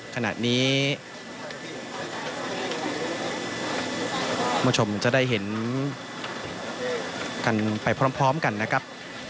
ขณะนี้คุณผู้ชมจะได้เห็นกันไปพร้อมกันนะครับ